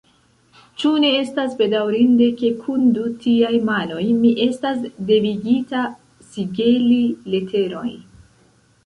Ĉu ne estas bedaŭrinde, ke, kun du tiaj manoj, mi estas devigita sigeli leteroj!